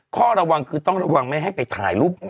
ข้อระวังคือต้องระวังไม่ให้ไปถ่ายรูป